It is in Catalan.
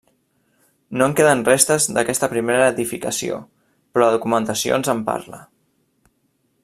No en queden restes d'aquesta primera edificació, però la documentació ens en parla.